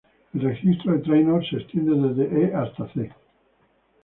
El registro de Trainor se extiende desde E hasta C♯.